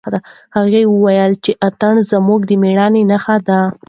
هغه وویل چې اتڼ زموږ د مېړانې نښه ده.